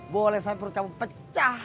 boleh sampai perut kamu pecah